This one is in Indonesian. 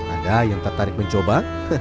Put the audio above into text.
ada yang tertarik mencoba